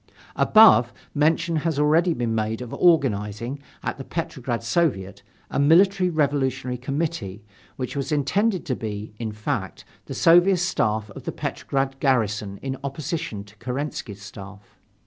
Above, mention has already been made of organizing, at the Petrograd Soviet, a Military Revolutionary Committee, which was intended to be, in fact, the Soviet Staff of the Petrograd garrison in opposition to Kerensky's Staff.